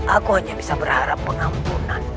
aku hanya bisa berharap pengampunan